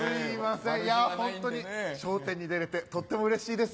ホントに『笑点』に出れてとってもうれしいです。